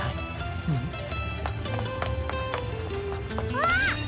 あっ！